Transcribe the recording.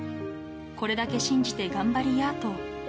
これだけ信じて頑張りやと。